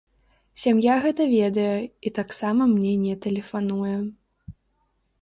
Сям'я гэта ведае і таксама мне не тэлефануе.